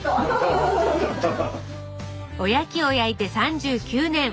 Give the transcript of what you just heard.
おやきを焼いて３９年。